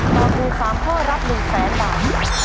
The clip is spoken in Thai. ถ้าตอบถูก๓ข้อรับ๑แสนบาท